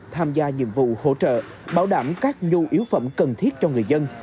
tham gia nhiệm vụ hỗ trợ bảo đảm các nhu yếu phẩm cần thiết cho người dân